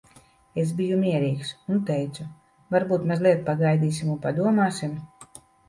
Es biju mierīgs. Un teicu, "Varbūt mazliet pagaidīsim un padomāsim?